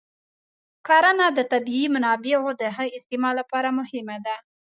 کرنه د طبیعي منابعو د ښه استعمال لپاره مهمه ده.